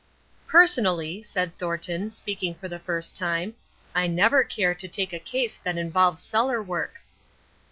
_ "Personally," said Thornton, speaking for the first time, "I never care to take a case that involves cellar work."